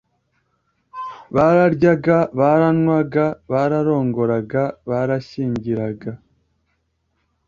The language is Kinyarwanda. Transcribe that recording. bararyaga, baranywaga, bararongoraga, barashyingiraga